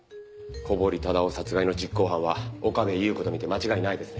小堀忠夫殺害の実行犯は岡部祐子と見て間違いないですね。